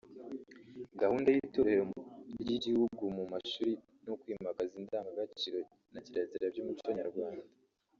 gahunda y’Itorero ry’Igihugu mu mashuri no kwimakaza indangagaciro na kirazira by’umuco nyarwanda